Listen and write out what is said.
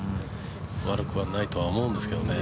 悪くはないとは思うんですけどね。